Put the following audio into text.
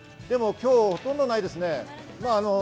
今日、ほとんどないですね。